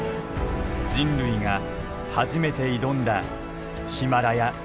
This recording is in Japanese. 人類が初めて挑んだヒマラヤ悪魔の谷。